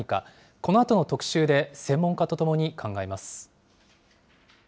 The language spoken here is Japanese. このあとの特集で専門家とともに考えます。